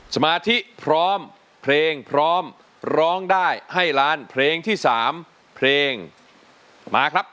สมาธิพร้อมเพลงพร้อมร้องได้ให้ล้านเพลงที่๓เพลงมาครับ